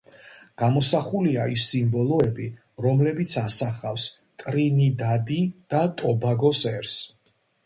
გამოსახულია ის სიმბოლოები, რომლებიც ასახავს ტრინიდადი და ტობაგოს ერს.